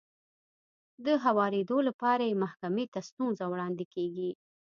د هوارېدو لپاره يې محکمې ته ستونزه وړاندې کېږي.